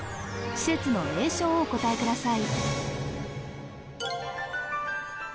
施設の名称をお答えください